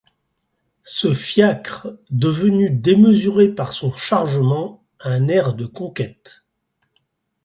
Ce fiacre, devenu démesuré par son chargement, a un air de conquête.